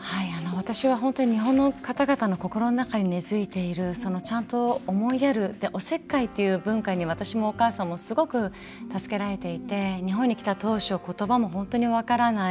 私は本当に日本の方々の心の中に根づいているちゃんと思いやるおせっかいっていう文化に私もお母さんもすごく助けられていて日本に来た当初言葉も本当に分からない。